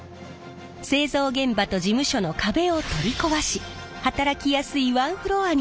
製造現場と事務所の壁を取り壊し働きやすいワンフロアに改造。